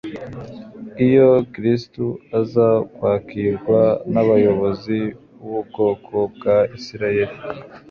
Iyo Kristo aza kwakirwa n'abayobozi b'ubwoko bwa Isiraeli,